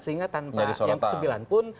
sehingga tanpa yang ke sembilan pun